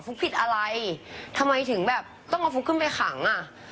ฟุ๊กผิดอะไรทำไมถึงต้องเอาฟุ๊กขึ้นไปขัง